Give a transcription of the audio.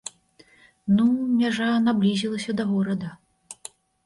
Ну, мяжа наблізілася да горада.